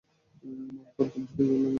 মাফ করবেন, কী বললেন?